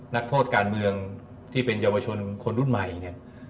นักโทษการเมืองที่เป็นเยาวชนคนรุ่นใหม่เนี่ย